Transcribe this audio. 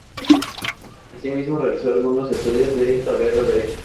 Asimismo realizó algunos estudios del tablero derecho.